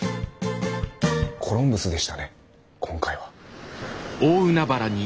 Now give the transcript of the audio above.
コロンブスでしたね今回は。